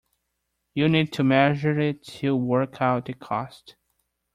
You'll need to measure it to work out the cost.